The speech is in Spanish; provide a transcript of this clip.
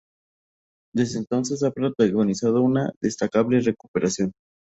Desde entonces ha protagonizado una destacable recuperación.